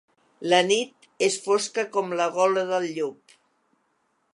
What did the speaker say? La nit és fosca com la gola del llop.